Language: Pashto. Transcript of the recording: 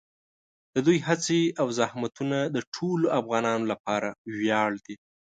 د دوی هڅې او زحمتونه د ټولو افغانانو لپاره ویاړ دي.